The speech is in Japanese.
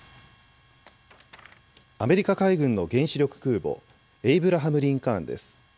アメリカ海軍の原子力空母、エイブラハム・リンカーンです。